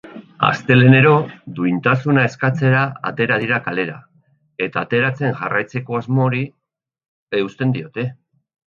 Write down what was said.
Astelehenero duintasuna eskatzera atera dira kalera, eta ateratzen jarraitzeko asmoari eusten diote.